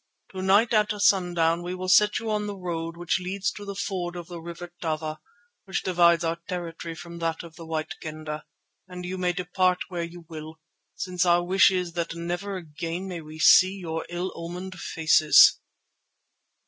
To night at sundown we will set you on the road which leads to the ford of the River Tava, which divides our territory from that of the White Kendah, and you may depart where you will, since our wish is that never again may we see your ill omened faces."